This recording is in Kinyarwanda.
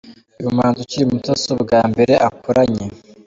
uyu muhanzi ukiri muto si ubwa mbere akoranye